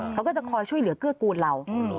เขาก็จะคอยช่วยเหลือเกื้อกูลเรา